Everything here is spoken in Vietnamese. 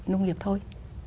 nông nghiệp thôi